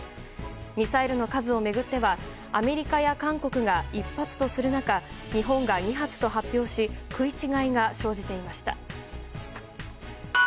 ミサイルの数を巡ってはアメリカや韓国が１発とする中日本が２発と発表し食い違いが生じていました。